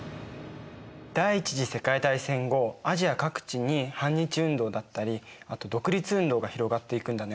第一次世界大戦後アジア各地に反日運動だったりあと独立運動が広がっていくんだね。